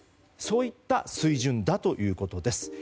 そういった水準だということです。